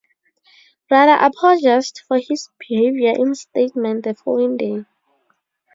Rather apologized for his behavior in statements the following day.